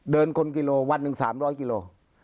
คนกิโลวันหนึ่ง๓๐๐กิโล